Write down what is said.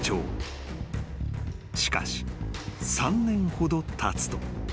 ［しかし３年ほどたつと］